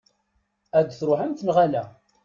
Ad truḥemt, neɣ ala?